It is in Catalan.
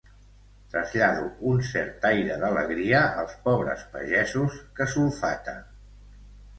Trasllado un cert aire d'alegria als pobres pagesos que sulfaten.